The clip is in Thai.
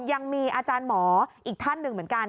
ยังมีอาจารย์หมออีกท่านหนึ่งเหมือนกัน